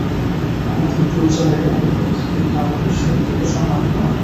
আমাদের দুইজনের এক পথ– কিন্তু আমাদের শক্তি তো সমান নয়।